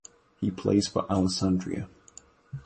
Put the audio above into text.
He plays for Alessandria.